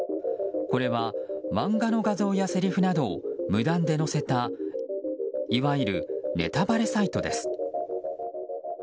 これは漫画の画像やせりふなどを無断で載せたいわゆるネタバレサイトです。